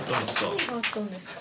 何があったんですか？